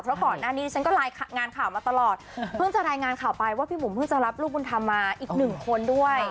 เพราะก่อนหน้านี้ฉันก็รายงานข่าวมาตลอดเพิ่งจะรายงานข่าวไปว่าพี่บุ๋มเพิ่งจะรับลูกบุญธรรมมาอีกหนึ่งคนด้วย